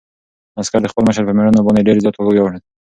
عسکر د خپل مشر په مېړانه باندې ډېر زیات وویاړېد.